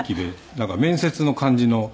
なんか面接の感じの緊張が。